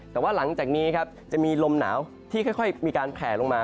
แต่ว่าหลังจากนี้ครับจะมีลมหนาวที่ค่อยมีการแผลลงมา